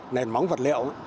nền móng vật liệu